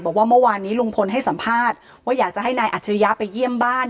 บอกว่าเมื่อวานนี้ลุงพลให้สัมภาษณ์ว่าอยากจะให้นายอัจฉริยะไปเยี่ยมบ้าน